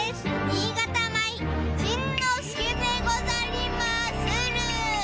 新潟米「新之助」でござりまする！